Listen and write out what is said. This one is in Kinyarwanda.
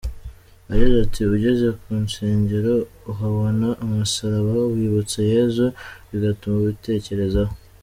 yagize ati “ugeze ku nsengero uhabona umusaraba wibutsa Yezu, bigatuma ubitekerezaho.